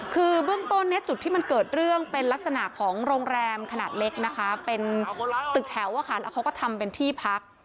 คือเบื้องต้นเนี่ยจุดที่มันเกิดเรื่องเป็นลักษณะของโรงแรมขนาดเล็กนะคะเป็นตึกแถวอะค่ะแล้วเขาก็ทำเป็นที่พัก